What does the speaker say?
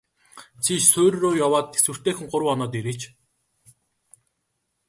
Чи суурь руу яваад тэсвэртэйхэн гурав хоноод ирээч.